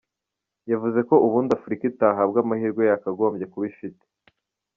Yavuze ko ubundi Afurika itahabwaga amahirwe yakagombye kuba ifite.